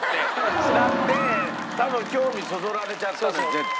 多分興味そそられちゃったのよ絶対。